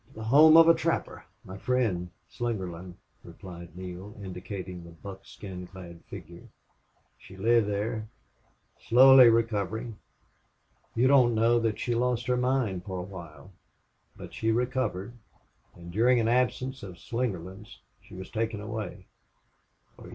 "To the home of a trapper. My friend Slingerland," replied Neale, indicating the buckskin clad figure. "She lived there slowly recovering. You don't know that she lost her mind for a while. But she recovered.... And during an absence of Slingerland's she was taken away."